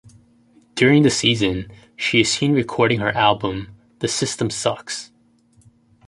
During the season, she is seen recording her album, "The System Sucks".